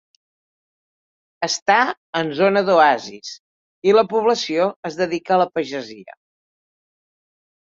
Està en zona d'oasis i la població es dedica a la pagesia.